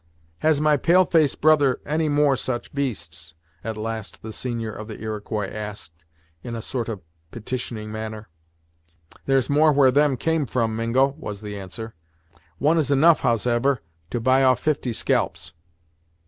"Has my pale face brother any more such beasts?" at last the senior of the Iroquois asked, in a sort of petitioning manner. "There's more where them came from, Mingo," was the answer; "one is enough, howsever, to buy off fifty scalps."